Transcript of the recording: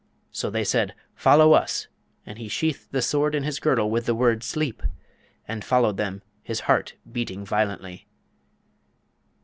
So they said, 'Follow us!' and he sheathed the Sword in his girdle with the word 'Sleep!' and followed them, his heart beating violently.